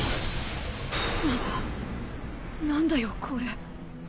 な何だよこれ。